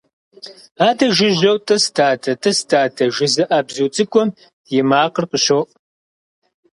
Адэ жыжьэу «тӏыс дадэ, тӏыс дадэ» жызыӏэ бзу цӏыкӏум и макъыр къыщоӏу.